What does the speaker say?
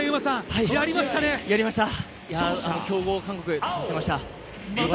強豪・韓国、倒せました。